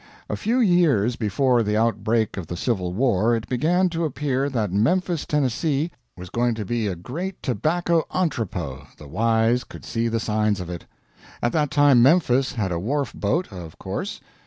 A few years before the outbreak of the Civil War it began to appear that Memphis, Tennessee, was going to be a great tobacco entrepot the wise could see the signs of it. At that time Memphis had a wharf boat, of course.